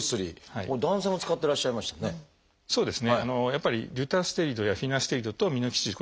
やっぱりデュタステリドやフィナステリドとミノキシジル